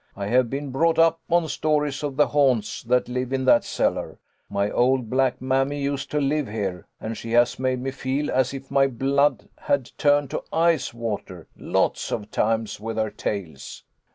I have been brought up on stories of the haunts that live in that cellar. My old black mammy used to live here, and she has made me feel as if my blood had turned to ice water, lots of times, with her tales."